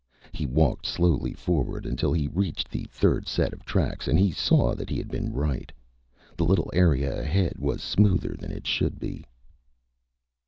He walked slowly forward until he reached the third set of tracks and he saw that he had been right. The little area ahead was smoother than it should be.